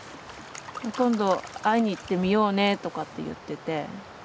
今度会いに行ってみようねとかって言ってて。